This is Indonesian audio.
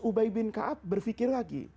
ubay bin ka'ab berpikir lagi